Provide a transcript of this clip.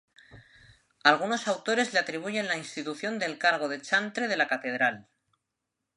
Algunos autores le atribuyen la institución del cargo de chantre de la catedral.